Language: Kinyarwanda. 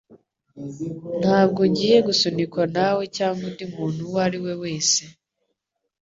Ntabwo ngiye gusunikwa nawe cyangwa undi muntu uwo ari we wese.